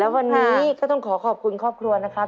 วันนี้ก็ต้องขอขอบคุณครอบครัวนะครับ